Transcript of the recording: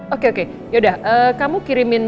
oke oke yaudah kamu kirimin